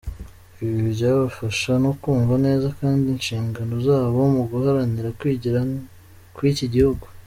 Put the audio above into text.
Ibi byabafasha no kumva neza kandi inshingano zabo mu guharanira kwigira kw’iki gihugu”.